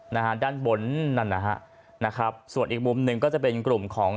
นะฮะด้านบนนั่นนะฮะนะครับส่วนอีกมุมหนึ่งก็จะเป็นกลุ่มของ